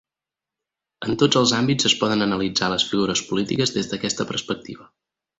En tots els àmbits es poden analitzar les figures polítiques des d'aquesta perspectiva.